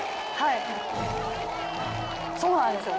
そうなんですよ。